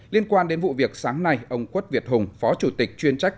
liên quan đến vụ việc sáng nay ông quất việt hùng phó chủ tịch chuyên trách